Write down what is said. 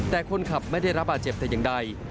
แต่คนขับไม่ได้รับบาดเจ็บแต่อย่างใด